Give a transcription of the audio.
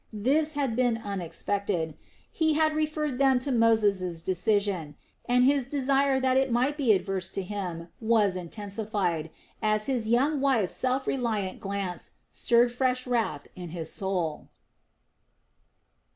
This had been unexpected. He had referred them to Moses' decision, and his desire that it might be adverse to him was intensified, as his young wife's self reliant glance stirred fresh wrath in his soul.